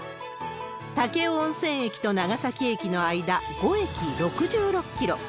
武雄温泉駅と長崎駅の間、５駅６６キロ。